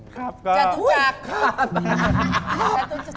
ครับก็อุ๊ยจัตตูจักร